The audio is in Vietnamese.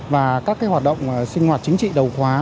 và các hoạt động sinh hoạt chính trị đầu khóa